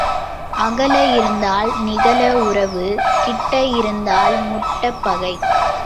அகல இருந்தால் நிகள உறவு கிட்ட இருந்தால் முட்டப் பகை.